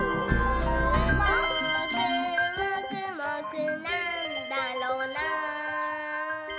「もーくもくもくなんだろなぁ」